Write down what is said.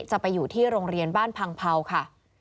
จะไปอยู่ที่โรงเรียนบ้านพังเผาค่ะ